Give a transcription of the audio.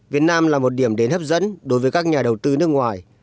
việt nam là một điểm đến hấp dẫn đối với các nhà đầu tư nước ngoài